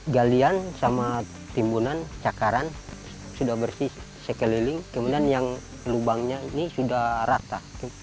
galian sama timbunan cakaran sudah bersih sekeliling kemudian yang lubangnya ini sudah rata